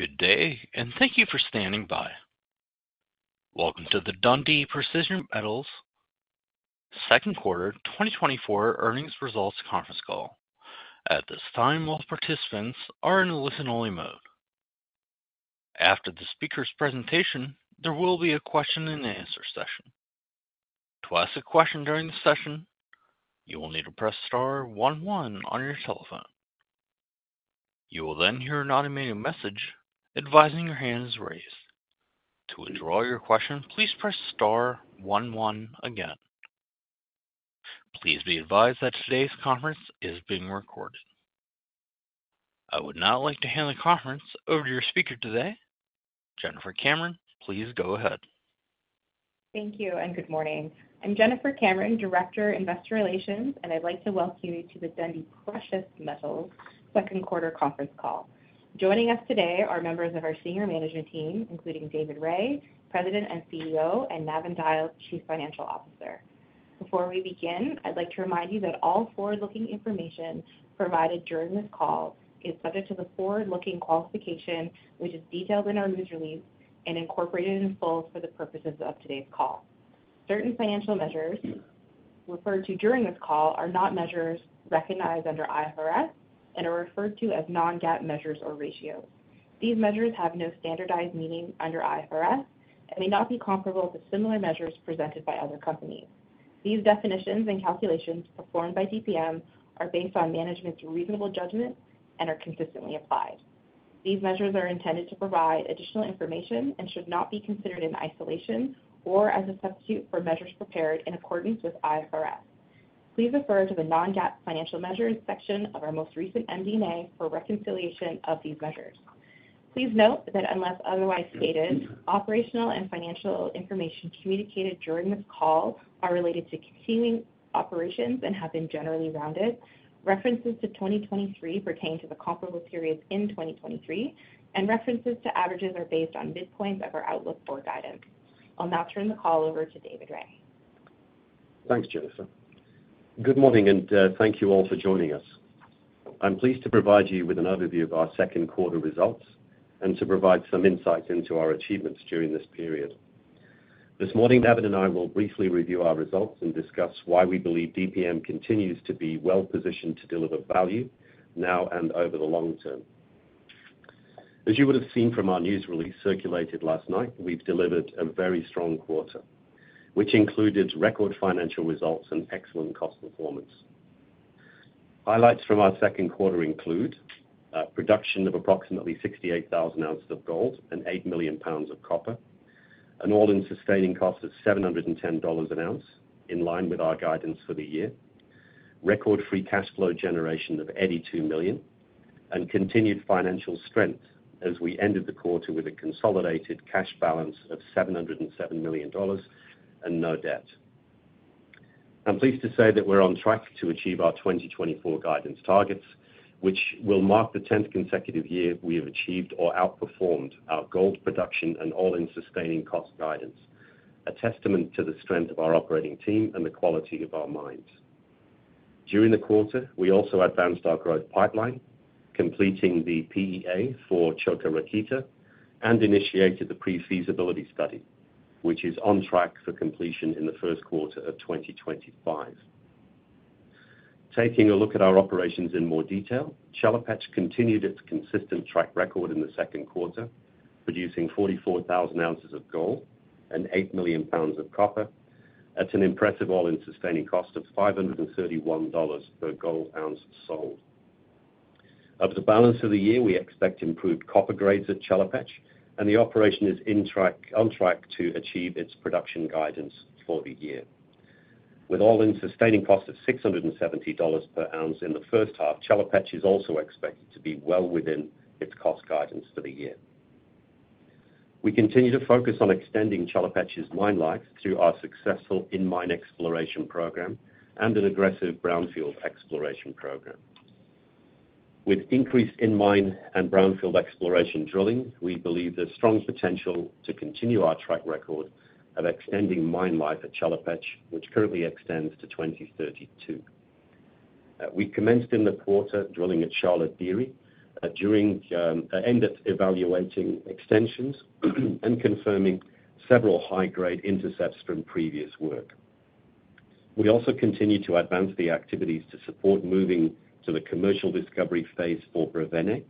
Good day, and thank you for standing by. Welcome to the Dundee Precious Metals second quarter 2024 earnings results conference call. At this time, all participants are in a listen-only mode. After the speaker's presentation, there will be a question-and-answer session. To ask a question during the session, you will need to press star 11 on your telephone. You will then hear an automated message advising your hand is raised. To withdraw your question, please press star 11 again. Please be advised that today's conference is being recorded. I would now like to hand the conference over to your speaker today, Jennifer Cameron. Please go ahead. Thank you, and good morning. I'm Jennifer Cameron, Director of Investor Relations, and I'd like to welcome you to the Dundee Precious Metals second quarter conference call. Joining us today are members of our senior management team, including David Rae, President and CEO, and Navin Dyal, Chief Financial Officer. Before we begin, I'd like to remind you that all forward-looking information provided during this call is subject to the forward-looking qualification, which is detailed in our news release and incorporated in full for the purposes of today's call. Certain financial measures referred to during this call are not measures recognized under IFRS and are referred to as non-GAAP measures or ratios. These measures have no standardized meaning under IFRS and may not be comparable to similar measures presented by other companies. These definitions and calculations performed by DPM are based on management's reasonable judgment and are consistently applied. These measures are intended to provide additional information and should not be considered in isolation or as a substitute for measures prepared in accordance with IFRS. Please refer to the non-GAAP financial measures section of our most recent MD&A for reconciliation of these measures. Please note that unless otherwise stated, operational and financial information communicated during this call are related to continuing operations and have been generally rounded. References to 2023 pertain to the comparable periods in 2023, and references to averages are based on midpoint of our outlook or guidance. I'll now turn the call over to David Rae. Thanks, Jennifer. Good morning, and thank you all for joining us. I'm pleased to provide you with an overview of our second quarter results and to provide some insights into our achievements during this period. This morning, David and I will briefly review our results and discuss why we believe DPM continues to be well-positioned to deliver value now and over the long term. As you would have seen from our news release circulated last night, we've delivered a very strong quarter, which included record financial results and excellent cost performance. Highlights from our second quarter include production of approximately 68,000 ounces of gold and 8 million pounds of copper, an all-in sustaining cost of $710 an ounce in line with our guidance for the year, record free cash flow generation of $82 million, and continued financial strength as we ended the quarter with a consolidated cash balance of $707 million and no debt. I'm pleased to say that we're on track to achieve our 2024 guidance targets, which will mark the 10th consecutive year we have achieved or outperformed our gold production and all-in sustaining cost guidance, a testament to the strength of our operating team and the quality of our mines. During the quarter, we also advanced our growth pipeline, completing the PEA for Čoka Rakita, and initiated the pre-feasibility study, which is on track for completion in the first quarter of 2025. Taking a look at our operations in more detail, Chelopech continued its consistent track record in the second quarter, producing 44,000 ounces of gold and 8 million pounds of copper at an impressive all-in sustaining cost of $531 per gold ounce sold. Over the balance of the year, we expect improved copper grades at Chelopech, and the operation is on track to achieve its production guidance for the year. With all-in sustaining cost of $670 per ounce in the first half, Chelopech is also expected to be well within its cost guidance for the year. We continue to focus on extending Chelopech's mine life through our successful in-mine exploration program and an aggressive brownfield exploration program. With increased in-mine and brownfield exploration drilling, we believe there's strong potential to continue our track record of extending mine life at Chelopech, which currently extends to 2032. We commenced in the quarter drilling at Sharlo Dere, evaluating extensions and confirming several high-grade intercepts from previous work. We also continue to advance the activities to support moving to the commercial discovery phase for Brezhene,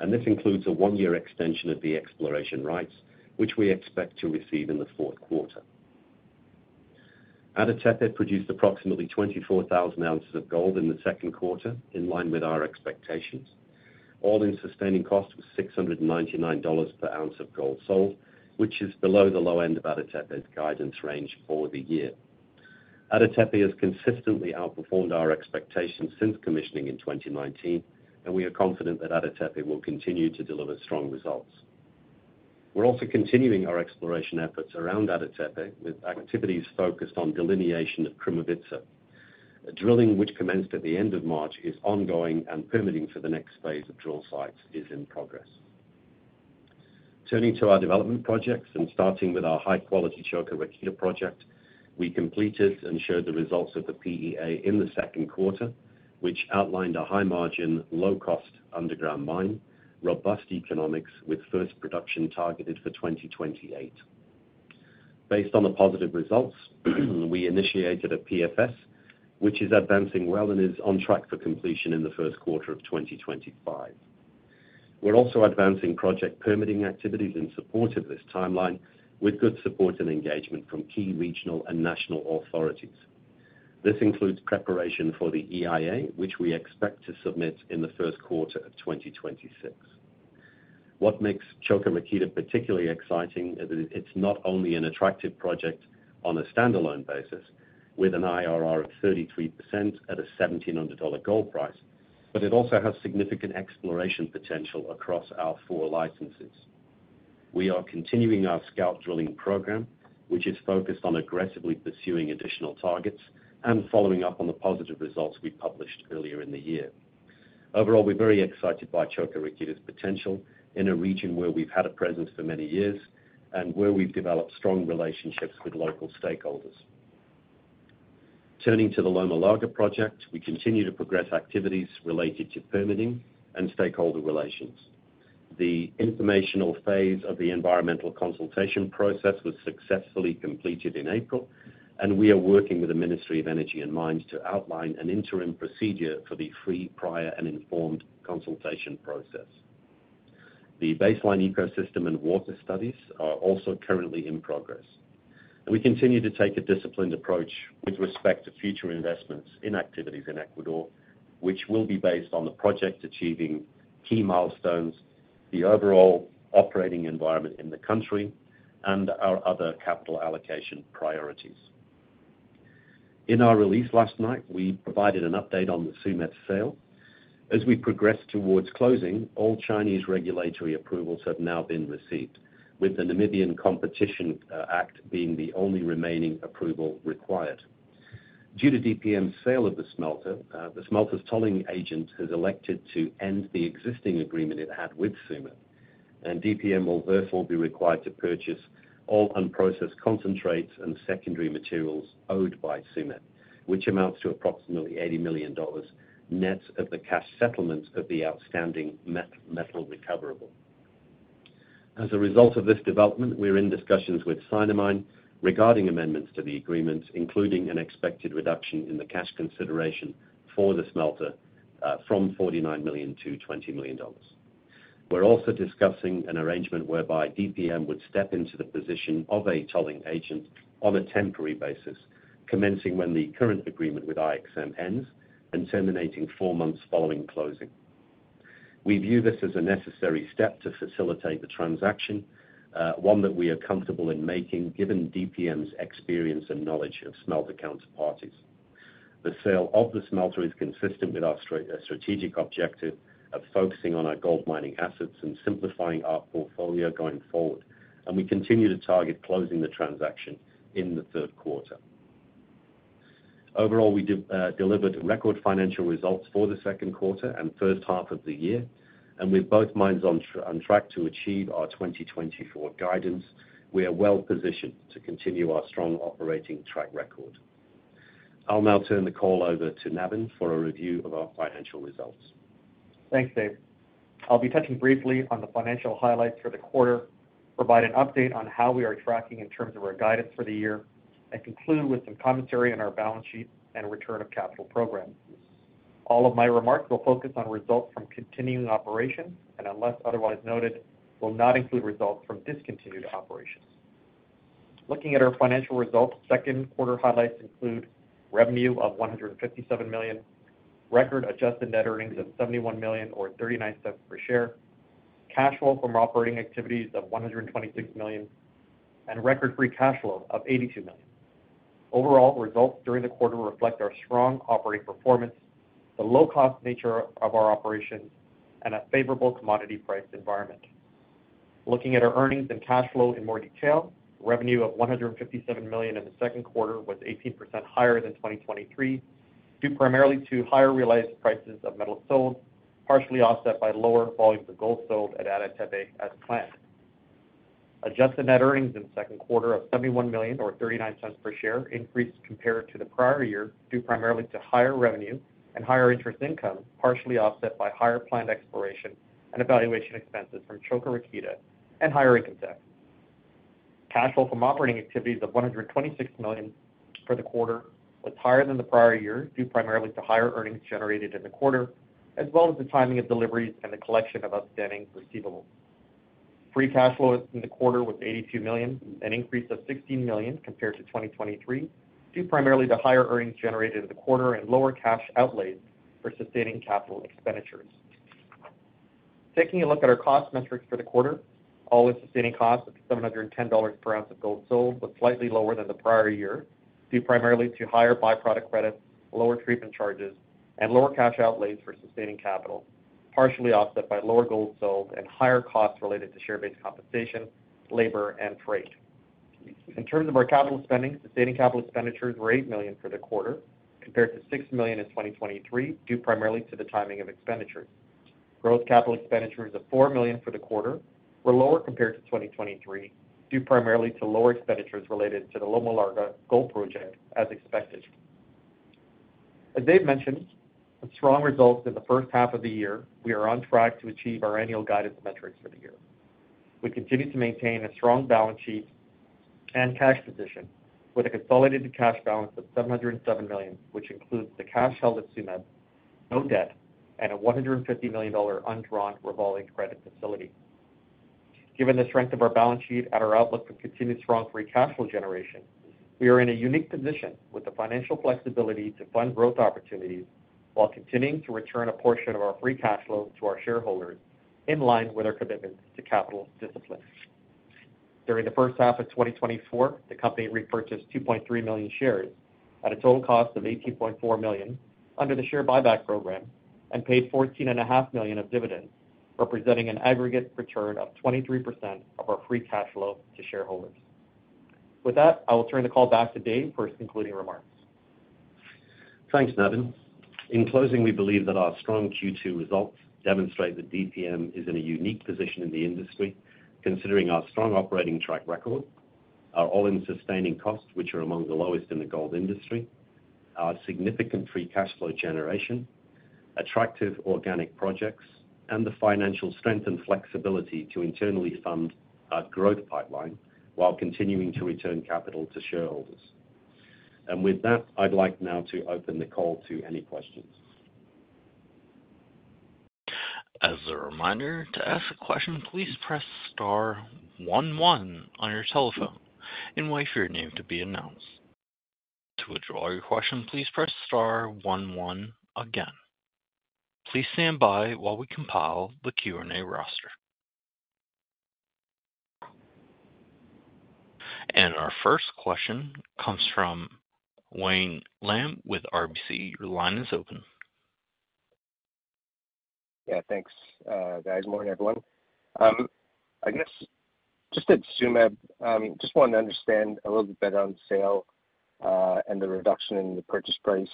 and this includes a one-year extension of the exploration rights, which we expect to receive in the fourth quarter. Ada Tepe produced approximately 24,000 ounces of gold in the second quarter in line with our expectations. All-in sustaining cost was $699 per ounce of gold sold, which is below the low end of Ada Tepe's guidance range for the year. Ada Tepe has consistently outperformed our expectations since commissioning in 2019, and we are confident that Ada Tepe will continue to deliver strong results. We're also continuing our exploration efforts around Ada Tepe with activities focused on delineation of Krumovitsa. Drilling, which commenced at the end of March, is ongoing, and permitting for the next phase of drill sites is in progress. Turning to our development projects and starting with our high-quality Čoka Rakita project, we completed and showed the results of the PEA in the second quarter, which outlined a high-margin, low-cost underground mine, robust economics with first production targeted for 2028. Based on the positive results, we initiated a PFS, which is advancing well and is on track for completion in the first quarter of 2025. We're also advancing project permitting activities in support of this timeline with good support and engagement from key regional and national authorities. This includes preparation for the EIA, which we expect to submit in the first quarter of 2026. What makes Čoka Rakita particularly exciting is that it's not only an attractive project on a standalone basis with an IRR of 33% at a $1,700 gold price, but it also has significant exploration potential across our four licenses. We are continuing our scout drilling program, which is focused on aggressively pursuing additional targets and following up on the positive results we published earlier in the year. Overall, we're very excited by Čoka Rakita's potential in a region where we've had a presence for many years and where we've developed strong relationships with local stakeholders. Turning to the Loma Larga project, we continue to progress activities related to permitting and stakeholder relations. The informational phase of the environmental consultation process was successfully completed in April, and we are working with the Ministry of Energy and Mines to outline an interim procedure for the free, prior, and informed consultation process. The baseline ecosystem and water studies are also currently in progress. We continue to take a disciplined approach with respect to future investments in activities in Ecuador, which will be based on the project achieving key milestones, the overall operating environment in the country, and our other capital allocation priorities. In our release last night, we provided an update on the Tsumeb sale. As we progress towards closing, all Chinese regulatory approvals have now been received, with the Namibian Competition Act being the only remaining approval required. Due to DPM's sale of the smelter, the smelter's tolling agent has elected to end the existing agreement it had with Tsumeb, and DPM will therefore be required to purchase all unprocessed concentrates and secondary materials owed by Tsumeb, which amounts to approximately $80 million net of the cash settlement of the outstanding metal recoverable. As a result of this development, we're in discussions with Sinomine regarding amendments to the agreement, including an expected reduction in the cash consideration for the smelter from $49 million to $20 million. We're also discussing an arrangement whereby DPM would step into the position of a tolling agent on a temporary basis, commencing when the current agreement with IXM ends and terminating four months following closing. We view this as a necessary step to facilitate the transaction, one that we are comfortable in making given DPM's experience and knowledge of smelter counterparties. The sale of the smelter is consistent with our strategic objective of focusing on our gold mining assets and simplifying our portfolio going forward, and we continue to target closing the transaction in the third quarter. Overall, we delivered record financial results for the second quarter and first half of the year, and with both mines on track to achieve our 2024 guidance, we are well-positioned to continue our strong operating track record. I'll now turn the call over to Navin for a review of our financial results. Thanks, Dave. I'll be touching briefly on the financial highlights for the quarter, provide an update on how we are tracking in terms of our guidance for the year, and conclude with some commentary on our balance sheet and return of capital program. All of my remarks will focus on results from continuing operations, and unless otherwise noted, will not include results from discontinued operations. Looking at our financial results, second quarter highlights include revenue of $157 million, record adjusted net earnings of $71 million or $0.39 per share, cash flow from operating activities of $126 million, and record free cash flow of $82 million. Overall, results during the quarter reflect our strong operating performance, the low-cost nature of our operations, and a favorable commodity price environment. Looking at our earnings and cash flow in more detail, revenue of $157 million in the second quarter was 18% higher than 2023, due primarily to higher realized prices of metals sold, partially offset by lower volumes of gold sold at Ada Tepe as planned. Adjusted net earnings in the second quarter of $71 million or $0.39 per share increased compared to the prior year, due primarily to higher revenue and higher interest income, partially offset by higher planned exploration and evaluation expenses from Čoka Rakita and higher income tax. Cash flow from operating activities of $126 million for the quarter was higher than the prior year, due primarily to higher earnings generated in the quarter, as well as the timing of deliveries and the collection of outstanding receivables. Free cash flow in the quarter was $82 million, an increase of $16 million compared to 2023, due primarily to higher earnings generated in the quarter and lower cash outlays for sustaining capital expenditures. Taking a look at our cost metrics for the quarter, all-in sustaining cost of $710 per ounce of gold sold was slightly lower than the prior year, due primarily to higher byproduct credits, lower treatment charges, and lower cash outlays for sustaining capital, partially offset by lower gold sold and higher costs related to share-based compensation, labor, and freight. In terms of our capital spending, sustaining capital expenditures were $8 million for the quarter compared to $6 million in 2023, due primarily to the timing of expenditures. Gross capital expenditures of $4 million for the quarter were lower compared to 2023, due primarily to lower expenditures related to the Loma Larga gold project, as expected. As Dave mentioned, with strong results in the first half of the year, we are on track to achieve our annual guidance metrics for the year. We continue to maintain a strong balance sheet and cash position with a consolidated cash balance of $707 million, which includes the cash held at Tsumeb, no debt, and a $150 million undrawn revolving credit facility. Given the strength of our balance sheet and our outlook for continued strong free cash flow generation, we are in a unique position with the financial flexibility to fund growth opportunities while continuing to return a portion of our free cash flow to our shareholders in line with our commitment to capital discipline. During the first half of 2024, the company repurchased 2.3 million shares at a total cost of $18.4 million under the share buyback program and paid $14.5 million of dividends, representing an aggregate return of 23% of our free cash flow to shareholders. With that, I will turn the call back to Dave for his concluding remarks. Thanks, Navin. In closing, we believe that our strong Q2 results demonstrate that DPM is in a unique position in the industry, considering our strong operating track record, our all-in sustaining costs, which are among the lowest in the gold industry, our significant free cash flow generation, attractive organic projects, and the financial strength and flexibility to internally fund our growth pipeline while continuing to return capital to shareholders. And with that, I'd like now to open the call to any questions. As a reminder, to ask a question, please press star 11 on your telephone and wait for your name to be announced. To withdraw your question, please press star 11 again. Please stand by while we compile the Q&A roster. Our first question comes from Wayne Lam with RBC. Your line is open. Yeah, thanks, guys. Morning, everyone. I guess just at Tsumeb, just wanted to understand a little bit on the sale and the reduction in the purchase price.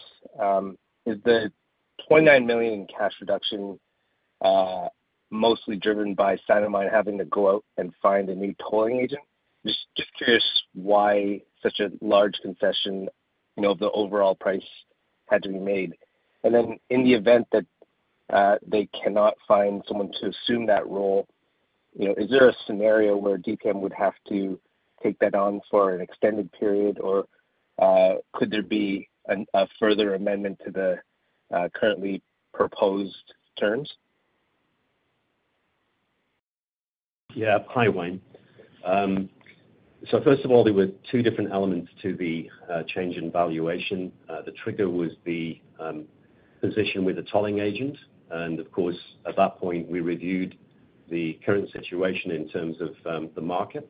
Is the $29 million in cash reduction mostly driven by Sinomine having to go out and find a new tolling agent? Just curious why such a large concession of the overall price had to be made. And then in the event that they cannot find someone to assume that role, is there a scenario where DPM would have to take that on for an extended period, or could there be a further amendment to the currently proposed terms? Yeah, hi, Wayne. So first of all, there were two different elements to the change in valuation. The trigger was the position with the tolling agent. And of course, at that point, we reviewed the current situation in terms of the market.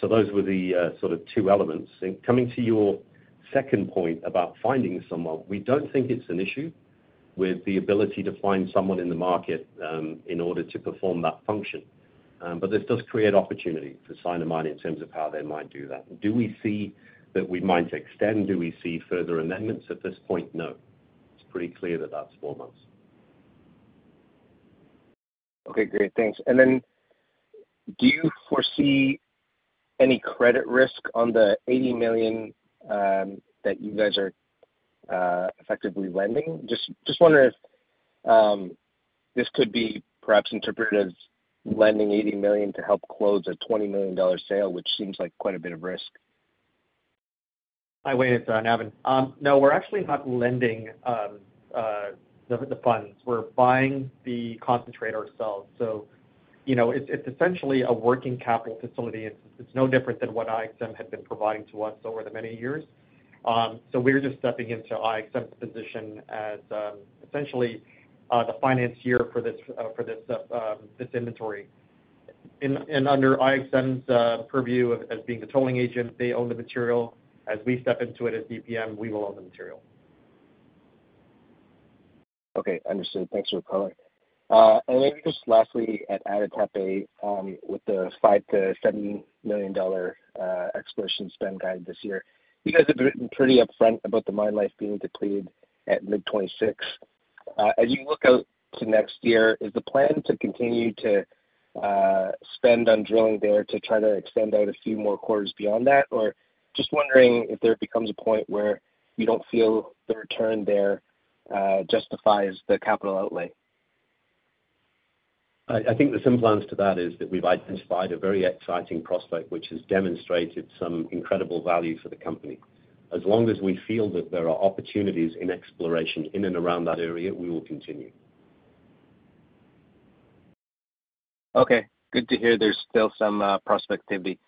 So those were the sort of two elements. Coming to your second point about finding someone, we don't think it's an issue with the ability to find someone in the market in order to perform that function. But this does create opportunity for Sinomine in terms of how they might do that. Do we see that we might extend? Do we see further amendments at this point? No. It's pretty clear that that's four months. Okay, great. Thanks. And then do you foresee any credit risk on the $80 million that you guys are effectively lending? Just wondering if this could be perhaps interpreted as lending $80 million to help close a $20 million sale, which seems like quite a bit of risk. Hi, Wayne. It's Navin. No, we're actually not lending the funds. We're buying the concentrate ourselves. So it's essentially a working capital facility, and it's no different than what IXM had been providing to us over the many years. So we're just stepping into IXM's position as essentially the financier for this inventory. And under IXM's purview as being the tolling agent, they own the material. As we step into it as DPM, we will own the material. Okay, understood. Thanks for the color. And just lastly, at Ada Tepe with the $5-$70 million exploration spend guided this year, you guys have been pretty upfront about the mine life being depleted at mid-2026. As you look out to next year, is the plan to continue to spend on drilling there to try to extend out a few more quarters beyond that? Or just wondering if there becomes a point where you don't feel the return there justifies the capital outlay? I think the simplest to that is that we've identified a very exciting prospect, which has demonstrated some incredible value for the company. As long as we feel that there are opportunities in exploration in and around that area, we will continue. Okay. Good to hear there's still some prospectivity.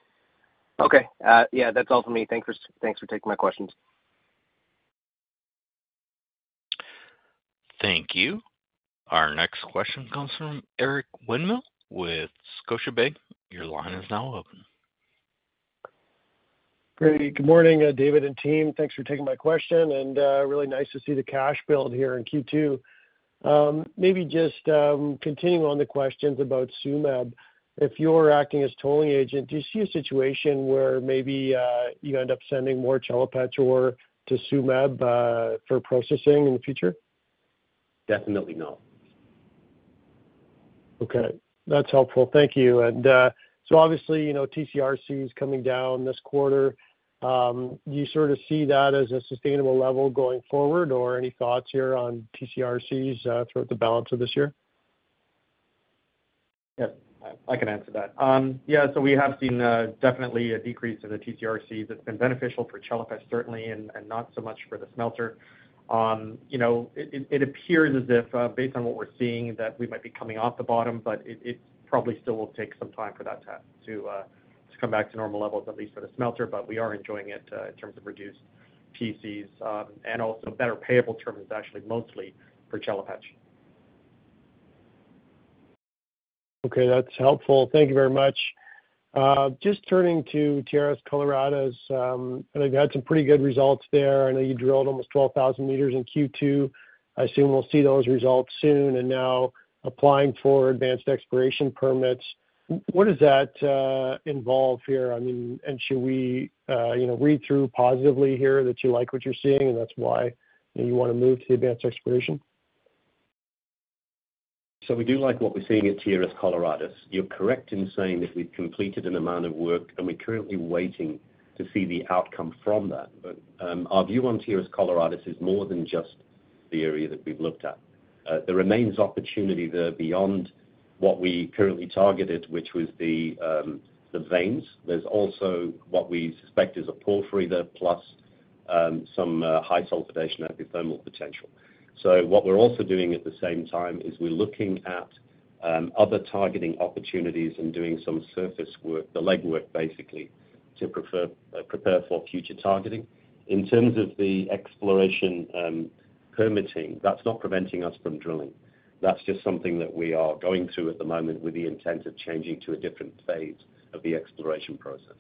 Okay. Yeah, that's all for me. Thanks for taking my questions. Thank you. Our next question comes from Eric Winmill with Scotiabank. Your line is now open. Great. Good morning, David and team. Thanks for taking my question. Really nice to see the cash build here in Q2. Maybe just continuing on the questions about Tsumeb, if you're acting as tolling agent, do you see a situation where maybe you end up sending more Chelopech ore to Tsumeb for processing in the future? Definitely not. Okay. That's helpful. Thank you. And so obviously, TC/RC is coming down this quarter. Do you sort of see that as a sustainable level going forward, or any thoughts here on TC/RCs throughout the balance of this year? Yep. I can answer that. Yeah. So we have seen definitely a decrease in the TC/RCs. It's been beneficial for Chelopech, certainly, and not so much for the smelter. It appears as if, based on what we're seeing, that we might be coming off the bottom, but it probably still will take some time for that to come back to normal levels, at least for the smelter. But we are enjoying it in terms of reduced TC/RCs and also better payable terms, actually, mostly for Chelopech. Okay. That's helpful. Thank you very much. Just turning to Tierras Coloradas, I know you've had some pretty good results there. I know you drilled almost 12,000 meters in Q2. I assume we'll see those results soon. And now applying for advanced exploration permits, what does that involve here? I mean, and should we read through positively here that you like what you're seeing and that's why you want to move to the advanced exploration? So we do like what we're seeing at Tierras Coloradas. You're correct in saying that we've completed an amount of work, and we're currently waiting to see the outcome from that. But our view on Tierras Coloradas is more than just the area that we've looked at. There remains opportunity there beyond what we currently targeted, which was the veins. There's also what we suspect is a porphyry there plus some high sulfidation epithermal potential. So what we're also doing at the same time is we're looking at other targeting opportunities and doing some surface work, the leg work, basically, to prepare for future targeting. In terms of the exploration permitting, that's not preventing us from drilling. That's just something that we are going through at the moment with the intent of changing to a different phase of the exploration process.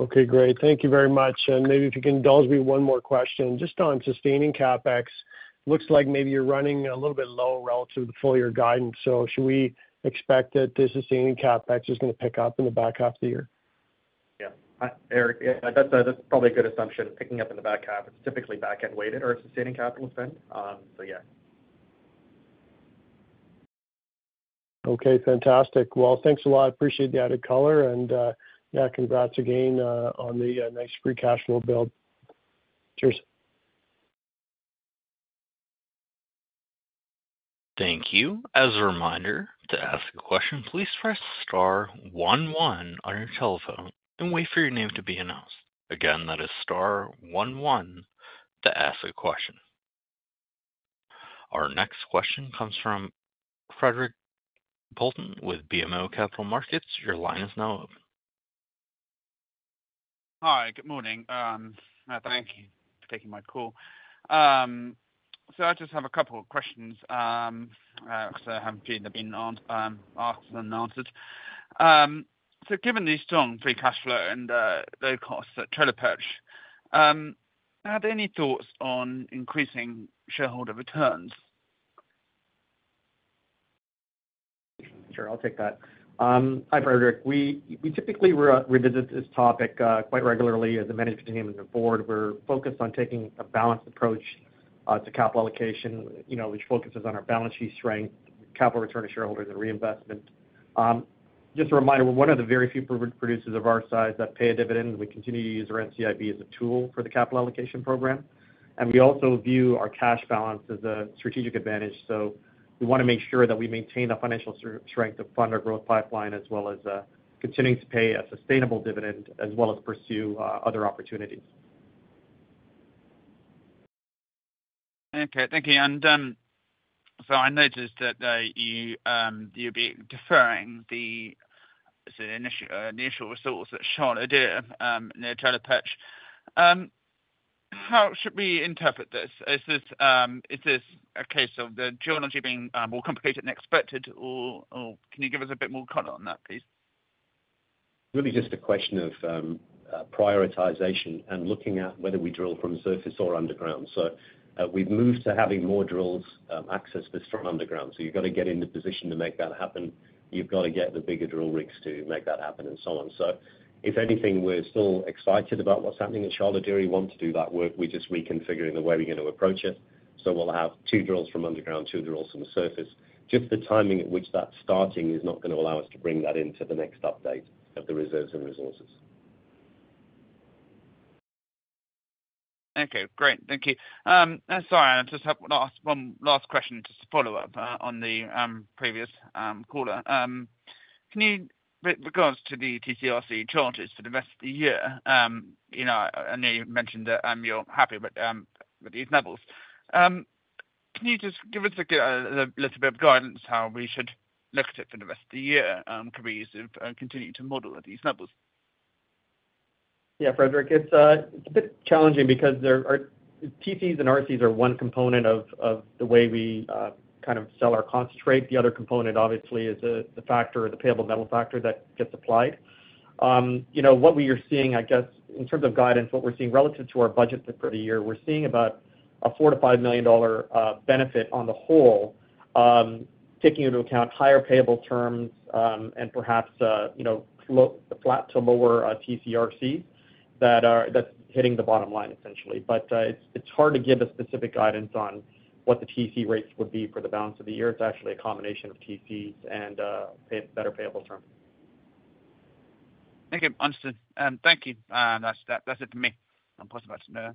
Okay, great. Thank you very much. And maybe if you can indulge me one more question, just on sustaining CapEx, looks like maybe you're running a little bit low relative to the full year guidance. So should we expect that the sustaining CapEx is going to pick up in the back half of the year? Yeah. Eric, yeah, that's probably a good assumption. Picking up in the back half, it's typically back-end weighted or sustaining capital spend. So yeah. Okay. Fantastic. Well, thanks a lot. Appreciate the added color. And yeah, congrats again on the nice free cash flow build. Cheers. Thank you. As a reminder, to ask a question, please press star 11 on your telephone and wait for your name to be announced. Again, that is star 11 to ask a question. Our next question comes from Frederic Bolton with BMO Capital Markets. Your line is now open. Hi. Good morning. Thank you for taking my call. So I just have a couple of questions because I haven't seen them being asked and answered. So given the strong free cash flow and low-cost Chelopech, are there any thoughts on increasing shareholder returns? Sure. I'll take that. Hi, Frederic. We typically revisit this topic quite regularly as a management team and a board. We're focused on taking a balanced approach to capital allocation, which focuses on our balance sheet strength, capital return to shareholders, and reinvestment. Just a reminder, we're one of the very few producers of our size that pay a dividend. We continue to use our NCIB as a tool for the capital allocation program. And we also view our cash balance as a strategic advantage. So we want to make sure that we maintain the financial strength to fund our growth pipeline as well as continuing to pay a sustainable dividend as well as pursue other opportunities. Okay. Thank you. And so I noticed that you'll be deferring the initial results that Sharlo Dere did in the Chelopech. How should we interpret this? Is this a case of the geology being more complicated than expected, or can you give us a bit more color on that, please? Really just a question of prioritization and looking at whether we drill from surface or underground. So we've moved to having more drills access this from underground. So you've got to get in the position to make that happen. You've got to get the bigger drill rigs to make that happen and so on. So if anything, we're still excited about what's happening at Sharlo Dere. We want to do that work. We're just reconfiguring the way we're going to approach it. So we'll have two drills from underground, two drills from surface. Just the timing at which that's starting is not going to allow us to bring that into the next update of the reserves and resources. Okay. Great. Thank you. Sorry, I just have one last question just to follow up on the previous caller. With regards to the TC/RC charges for the rest of the year, I know you mentioned that you're happy with these levels. Can you just give us a little bit of guidance how we should look at it for the rest of the year? Could we continue to model at these levels? Yeah, Frederic, it's a bit challenging because TCs and RCs are one component of the way we kind of sell our concentrate. The other component, obviously, is the payable metal factor that gets applied. What we are seeing, I guess, in terms of guidance, what we're seeing relative to our budget for the year, we're seeing about a $4-$5 million benefit on the whole, taking into account higher payable terms and perhaps flat to lower TCRCs that's hitting the bottom line, essentially. But it's hard to give a specific guidance on what the TC rates would be for the balance of the year. It's actually a combination of TCs and better payable terms. Okay. Understood. Thank you. That's it for me. I'm positive that's no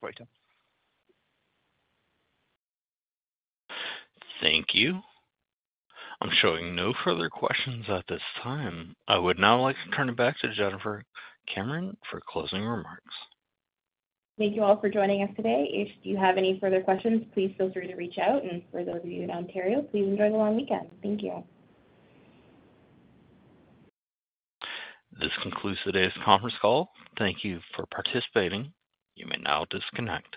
greater. Thank you. I'm showing no further questions at this time. I would now like to turn it back to Jennifer Cameron for closing remarks. Thank you all for joining us today. If you have any further questions, please feel free to reach out. For those of you in Ontario, please enjoy the long weekend. Thank you. This concludes today's conference call. Thank you for participating. You may now disconnect.